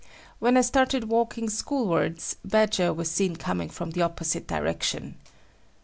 When I started walking schoolwards, Badger was seen coming from the opposite direction.